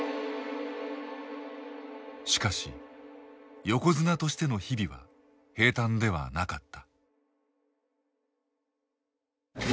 しかし横綱としての日々は平たんではなかった。